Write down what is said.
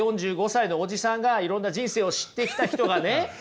４５歳のおじさんがいろんな人生を知ってきた人がね